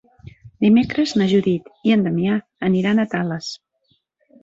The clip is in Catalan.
Dimecres na Judit i en Damià aniran a Tales.